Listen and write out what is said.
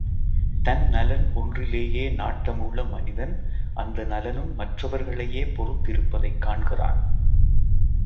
தன் நலன் ஒன்றிலேயே நாட்டமுள்ள மனிதன் அந்த நலனும் மற்றவர்களையே பொறுத்திருப்பதைக் காண்கிறான்.